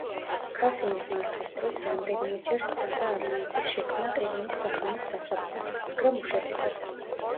ქასიმის მართვის დროს, რამდენიმეჯერ სცადა ალიანსის შექმნა ყირიმის სახანოს დასაპყრობად, მაგრამ უშედეგოდ.